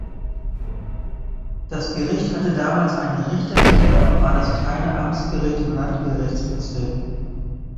Das Gericht hatte damals eine Richterstelle und war das kleine Amtsgericht im Landgerichtsbezirk.